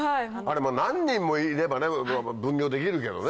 何人もいれば分業できるけどね。